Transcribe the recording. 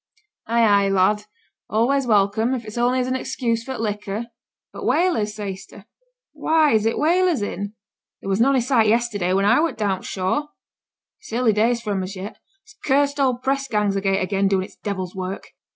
'Ay, ay, lad; always welcome, if it's only as an excuse for t' liquor. But t' whalers, say'st ta? Why, is t' whalers in? There was none i' sight yesterday, when I were down on t' shore. It's early days for 'em as yet. And t' cursed old press gang's agate again, doing its devil's work!'